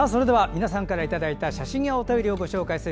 皆さんからいただいた写真やお便りを紹介する「